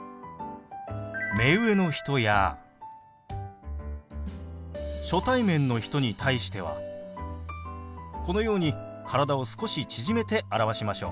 目上の人や初対面の人に対してはこのように体を少し縮めて表しましょう。